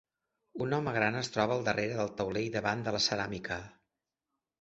Un home gran es troba al darrere del taulell davant de la ceràmica.